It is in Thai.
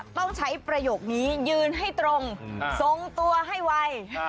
ต้องใช้ประโยคนี้ยืนให้ตรงทรงตัวให้ไว